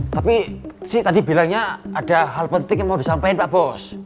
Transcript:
tapi sih tadi bilangnya ada hal penting yang mau disampaikan pak bos